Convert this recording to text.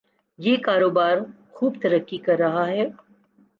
یہ کاروبار خوب ترقی کر رہا ہے۔